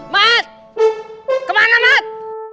mat kemana mat